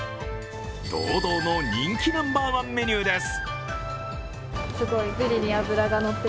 堂々の人気ナンバーワンメニューです。